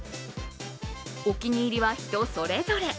お気に入りは、人それぞれ。